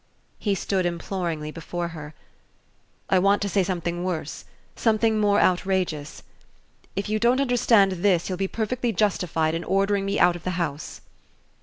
He stood imploringly before her. "I want to say something worse something more outrageous. If you don't understand THIS you'll be perfectly justified in ordering me out of the house."